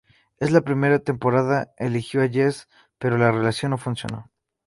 En la primera temporada eligió a Jess pero la relación no funcionó.